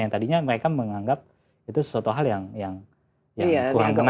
yang tadinya mereka menganggap itu sesuatu hal yang kurang menarik gitu ya